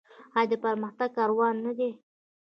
آیا د پرمختګ کاروان نه دی؟